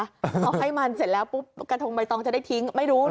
พอให้มันเสร็จแล้วปุ๊บกระทงใบตองจะได้ทิ้งไม่รู้